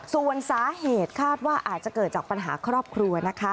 ส่วนสาเหตุคาดว่าอาจจะเกิดจากปัญหาครอบครัวนะคะ